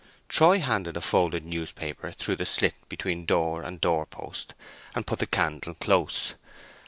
Troy handed a folded newspaper through the slit between door and doorpost, and put the candle close.